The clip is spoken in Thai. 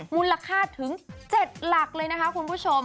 มูลค่าถึง๗หลักเลยนะคะคุณผู้ชม